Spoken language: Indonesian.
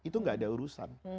itu gak ada urusan